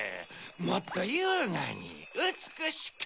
もっとゆうがにうつくしく！